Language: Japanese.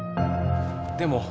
でも。